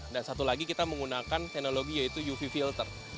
satu lagi kita menggunakan teknologi yaitu uv filter